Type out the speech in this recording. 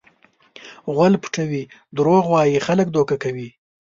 غول پټوي؛ دروغ وایي؛ خلک دوکه کوي.